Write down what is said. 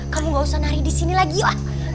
kamu gak usah nari disini lagi yuk